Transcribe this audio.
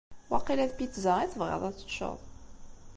Waqila d pizza i tebɣiḍ ad teččeḍ.